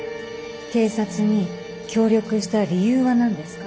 警察に協力した理由は何ですか？